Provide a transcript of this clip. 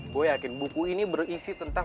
gue yakin buku ini berisi tentang